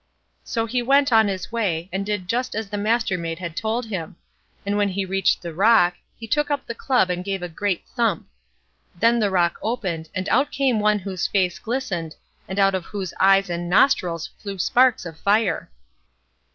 So he went on his way, and did just as the Mastermaid had told him; and when he reached the rock, he took up the club and gave a great thump. Then the rock opened, and out came one whose face glistened, and out of whose eyes and nostrils flew sparks of fire.